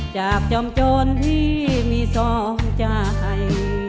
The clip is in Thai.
จากจอมโจรที่มีสองใจ